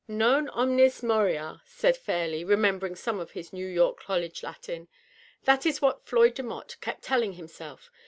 ^' Non omnis moriar" said Fairleigh, remembering some of his New York College Latin. " That is what Floyd Demotte kept telling himself.